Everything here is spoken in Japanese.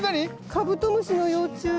カブトムシの幼虫。